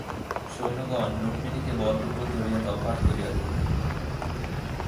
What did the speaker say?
সৈন্যগণ রুক্মিণীকে বলপূর্বক ধরিয়া তফাত করিয়া দিল।